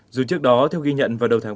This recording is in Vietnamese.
dù trước đó theo ghi nhận vào đầu tháng tám